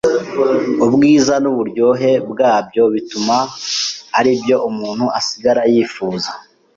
Ubwiza n’uburyohe bwabyo bituma ari byo umuntu asigara yifuza,